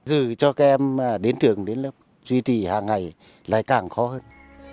dự cho các em đến trường đến lớp duy trì hàng ngày lại càng khó hơn